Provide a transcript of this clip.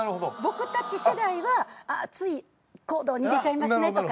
僕たち世代はつい行動に出ちゃいますねとか。